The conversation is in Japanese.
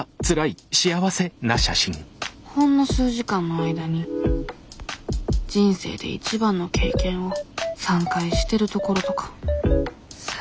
ほんの数時間の間に人生で一番の経験を３回してるところとか幸